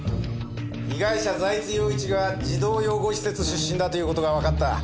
被害者財津陽一が児童養護施設出身だという事がわかった。